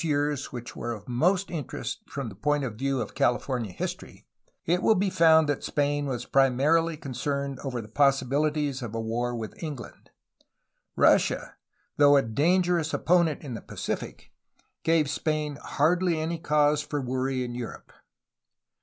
W/ years which were of most interest from the point of view of California history, it will be found that Spain was primarily concerned over the possibilities of a war with England. Russia, though a dangerous opponent in the Pacific, gave Spain hardly any cause for worry in Europe.